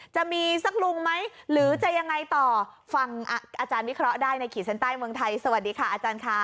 จะมีสักลุงไหมหรือจะยังไงต่อฟังอาจารย์วิเคราะห์ได้ในขีดเส้นใต้เมืองไทยสวัสดีค่ะอาจารย์ค่ะ